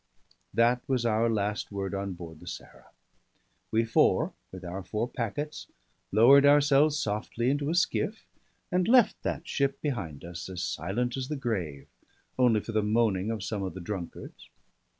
That was our last word on board the Sarah. We four, with our four packets, lowered ourselves softly into a skiff, and left that ship behind us as silent as the grave, only for the moaning of some of the drunkards.